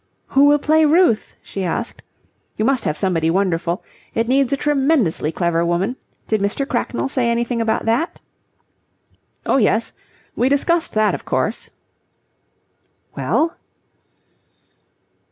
"Who will play Ruth?" she asked. "You must have somebody wonderful. It needs a tremendously clever woman. Did Mr. Cracknell say anything about that?" "Oh, yes, we discussed that, of course." "Well?"